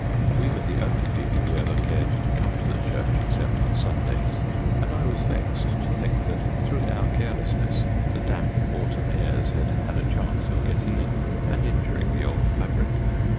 We were the only people who ever cared to come to the church except on Sundays, and I was vexed to think that through our carelessness the damp autumn airs had had a chance of getting in and injuring the old fabric.